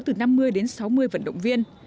từ năm mươi đến sáu mươi vận động viên